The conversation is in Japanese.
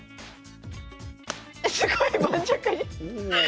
えすごい盤石に！